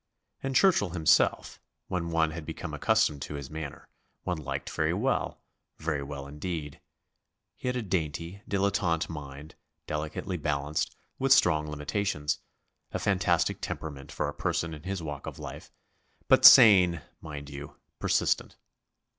And Churchill himself, when one had become accustomed to his manner, one liked very well very well indeed. He had a dainty, dilettante mind, delicately balanced, with strong limitations, a fantastic temperament for a person in his walk of life but sane, mind you, persistent.